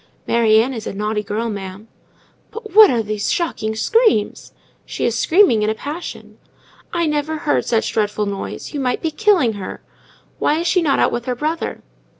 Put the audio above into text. "Mary Ann is a naughty girl, ma'am." "But what are these shocking screams?" "She is screaming in a passion." "I never heard such a dreadful noise! You might be killing her. Why is she not out with her brother?"